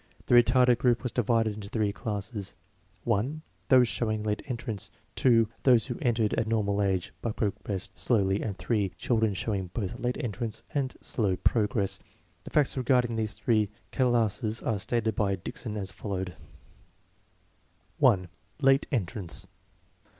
The retarded group was divided into three classes: (1) those showing late entrance; (2) those who entered at normal age but progressed slowly; and (3) children showing both late entrance and slow progress. The facts regarding these three classes are stated by Dick son as follows: 1. Late entrance.